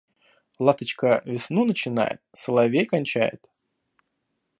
Ласточка весну начинает, соловей кончает.